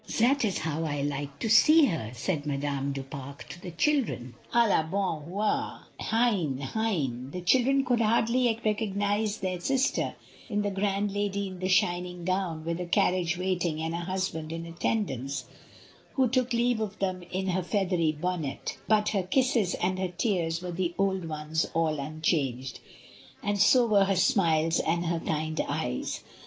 "Zat is 'ow I likes to see 'errr!" says Madame 140 MRS. DYMOND. du Pare to the children — "i la bonne heurel heinl heinP^ The children could hardly recognise their sister in the grand lady in the shining gown, with a carriage waiting and a husband in attendance, who took leave of them in her feathery bonnet; but her kisses and her tears were the old ones all unchanged, and so were her smiles and her kind eyes.